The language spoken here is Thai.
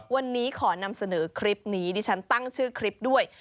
วันนี้ขอนำเสนอคลิปนี้ดิฉันตั้งชื่อคลิปด้วย